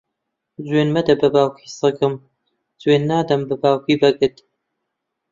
جوێن مەدە بە باوکی سەگم، جوێن نەدەم بە باوکی بەگت.